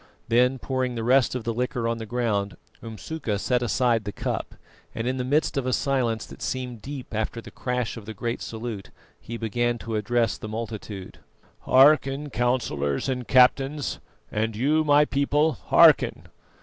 Then pouring the rest of the liquor on the ground, Umsuka set aside the cup, and in the midst of a silence that seemed deep after the crash of the great salute, he began to address the multitude: "Hearken, Councillors and Captains, and you, my people, hearken.